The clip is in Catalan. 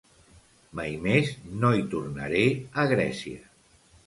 Mai més no hi tornaré, a Grècia.